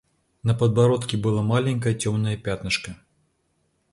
На подбородке было маленькое темное пятнышко.